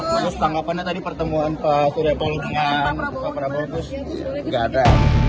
terus tanggapannya tadi pertemuan pak surya paluman pak prabowo terus gak ada